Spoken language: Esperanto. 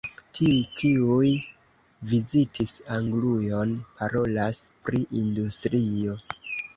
Tiuj, kiuj vizitis Anglujon, parolas pri industrio.